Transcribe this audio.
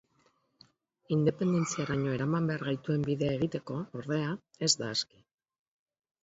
Independentziaraino eraman behar gaituen bidea egiteko, ordea, ez da aski.